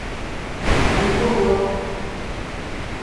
Anwa wa?